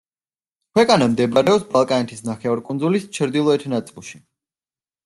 ქვეყანა მდებარეობს ბალკანეთის ნახევარკუნძულის ჩრდილოეთ ნაწილში.